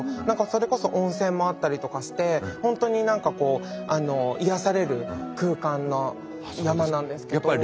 それこそ温泉もあったりとかして本当に癒やされる空間の山なんですけど。